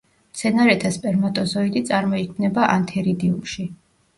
მცენარეთა სპერმატოზოიდი წარმოიქმნება ანთერიდიუმში.